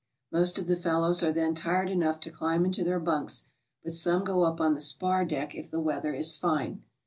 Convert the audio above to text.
Most of the fellows are then tired enough to climb into their bunks, but some go up on the spar deck if the weather is fine.